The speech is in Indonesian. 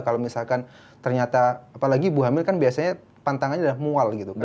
kalau misalkan ternyata apalagi ibu hamil kan biasanya pantangannya adalah mual gitu kan